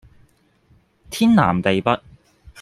天南地北